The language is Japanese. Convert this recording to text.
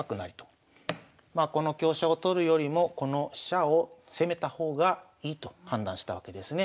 まあこの香車を取るよりもこの飛車を攻めた方がいいと判断したわけですね。